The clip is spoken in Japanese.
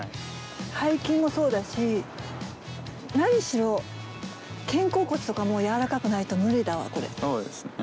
背筋もそうだし、何しろ肩甲骨とかも柔らかくないと無理だわ、これ。